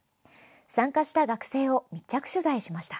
参加した学生を密着取材しました。